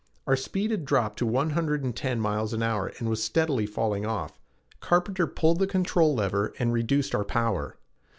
Our speed had dropped to one hundred and ten miles an hour and was steadily falling off. Carpenter pulled the control lever and reduced our power.